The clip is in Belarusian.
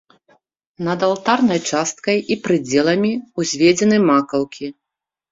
Над алтарнай часткай і прыдзеламі ўзведзены макаўкі.